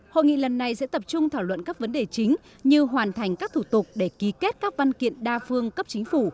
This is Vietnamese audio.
hội nghị lần này sẽ tập trung thảo luận các vấn đề chính như hoàn thành các thủ tục để ký kết các văn kiện đa phương cấp chính phủ